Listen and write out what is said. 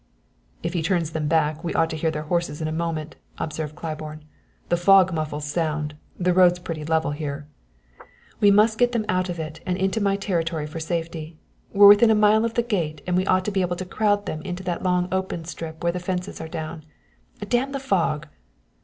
"If he turns them back we ought to hear their horses in a moment," observed Claiborne. "The fog muffles sounds. The road's pretty level in here." "We must get them out of it and into my territory for safety. We're within a mile of the gate and we ought to be able to crowd them into that long open strip where the fences are down. Damn the fog!"